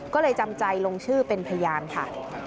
ก็เลยจำใจลงชื่อเป็นพยานค่ะ